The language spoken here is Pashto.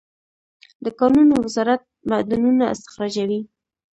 د کانونو وزارت معدنونه استخراجوي